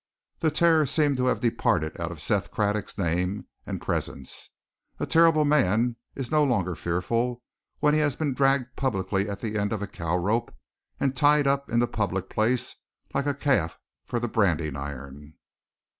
The terror seemed to have departed out of Seth Craddock's name and presence; a terrible man is no longer fearful when he has been dragged publicly at the end of a cow rope and tied up in the public place like a calf for the branding iron.